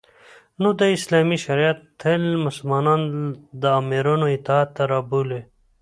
نو اسلامی شریعت تل مسلمانان د امیرانو اطاعت ته رابولی